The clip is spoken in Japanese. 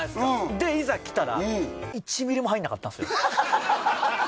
でいざ来たら１ミリも入んなかったんすよハハハ！